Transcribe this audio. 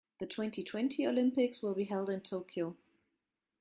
The twenty-twenty Olympics will be held in Tokyo.